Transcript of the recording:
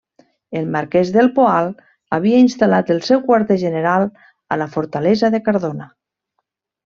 El marquès del Poal havia instal·lat el seu quarter general a la fortalesa de Cardona.